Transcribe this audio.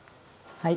はい。